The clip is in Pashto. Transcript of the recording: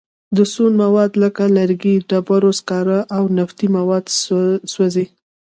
د سون مواد لکه لرګي، ډبرو سکاره او نفتي مواد سوځي.